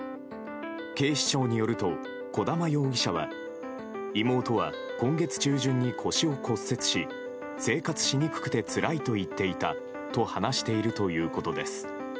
警視庁によると、小玉容疑者は妹は今月中旬に腰を骨折し生活しにくくてつらいと言っていたと話しているということです。